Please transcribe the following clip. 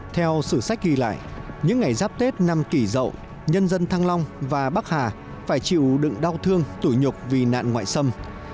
theo sử sách ghi lại những ngày giáp tết năm kỷ rậu nhân dân thăng long và bắc hà phải chịu đựng đau thương tủi nhục vì nạn ngoại xâm